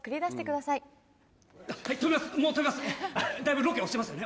だいぶロケ押してますよね。